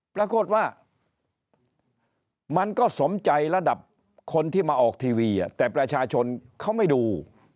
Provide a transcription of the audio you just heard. ปรากฏว่ามันก็สมใจระดับคนที่มาออกทีวีแต่ประชาชนเขาไม่ดู